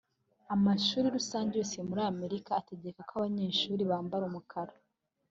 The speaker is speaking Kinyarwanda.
amashuri rusange yose muri amerika atageka ko abanyeshuri bambara umukara